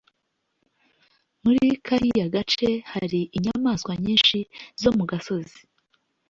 muri kariya gace hari inyamaswa nyinshi zo mu gasozi